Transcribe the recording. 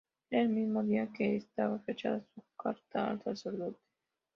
Era el mismo día en que estaba fechada su carta al sacerdote.